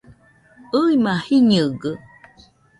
ɨima jiñɨgɨ